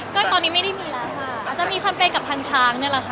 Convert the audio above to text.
ก็ตอนนี้ไม่ได้มีแล้วค่ะอาจจะมีแคมเปญกับทางช้างนี่แหละค่ะ